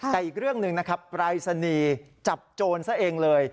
แต่อีกเรื่องหนึ่งนะครับปรายศนีย์จับโจรซะเองเลย